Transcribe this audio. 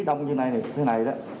đông như thế này